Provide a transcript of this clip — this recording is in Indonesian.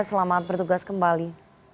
selamat bertugas kembali